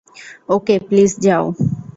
ওকে, please যাও।